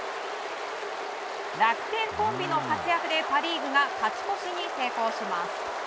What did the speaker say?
楽天コンビの活躍でパ・リーグが勝ち越しに成功します。